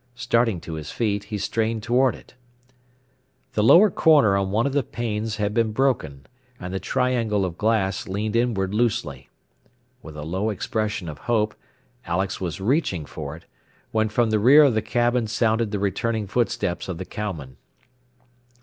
Starting to his feet, he strained toward it. The lower corner of one of the panes had been broken, and the triangle of glass leaned inward loosely. With a low expression of hope Alex was reaching for it, when from the rear of the cabin sounded the returning footsteps of the cowman.